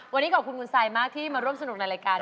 วันนี้ขอบคุณคุณซายมากที่มาร่วมสนุกในรายการ